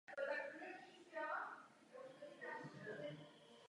Délka života je samozřejmě závislá na úrovni chovatelské péče.